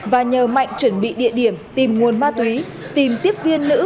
và nhờ mạnh chuẩn bị địa điểm tìm nguồn ma túy tìm tiếp viên nữ